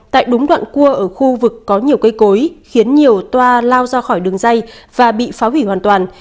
tại đúng đoạn cua ở khu vực có nhiều cây cối khiến nhiều toa lao ra khỏi đường dây và bị phá hủy hoàn toàn